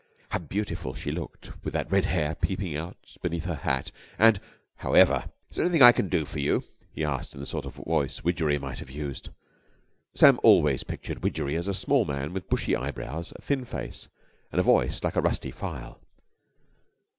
How beautiful she looked, with that red hair peeping out beneath her hat and ... However! "Is there anything I can do for you?" he asked in the sort of voice Widgery might have used. Sam always pictured Widgery as a small man with bushy eyebrows, a thin face, and a voice like a rusty file.